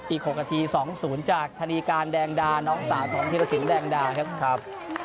อีก๖นาที๒๐จากธนีการแดงดาน้องสาวของธิรสินแดงดาครับ